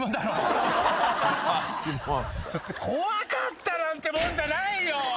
怖かったなんてもんじゃないよ。